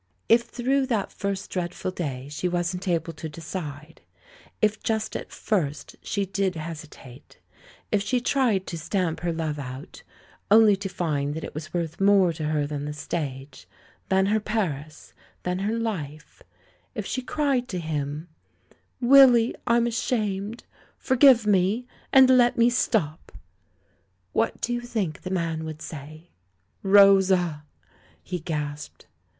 If through that first dreadful day she wasn't able to decide — if just at first she did hesi tate; if she tried to stamp her love out, only to find that it was worth more to her than the stage, THE LAURELS AND THE LADY 153 than her Paris, than her hf e ; if she cried to him^ *Willy, I'm ashamed! Forgive me, and let me stop!' — what do you think the man would say?" "Rosa!" he gasped.